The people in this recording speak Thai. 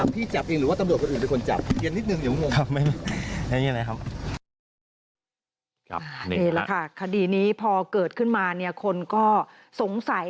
แต่ละคะคดีนี้พอเกิดขึ้นมาคนก็สงสัย